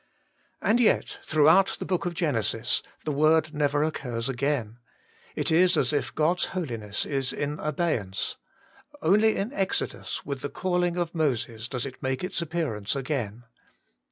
And yet throughout the book of Genesis the word never occurs again; it is as if God's Holiness is in abeyance ; only in Exodus, with the calling of Moses, does it make its appearance again.